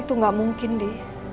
itu gak mungkin ndi